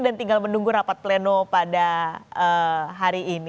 dan tinggal menunggu rapat pleno pada hari ini